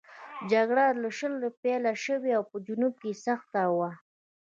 جګړه له شله پیل شوه او په جنوب کې سخته وه.